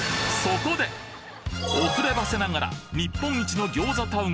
遅ればせながら日本一の餃子タウン